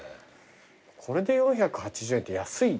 これで４８０円って安い。